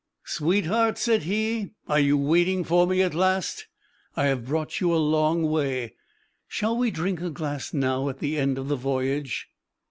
"Sweetheart," said he, "are you waiting for me at last? I have brought you a long way. Shall we drink a glass now at the end of the voyage?"